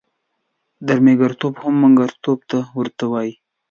درېمګړتوب هم منځګړتوب ته ورته دی.